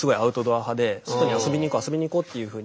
外に遊びに行こう遊びに行こうっていうふうに。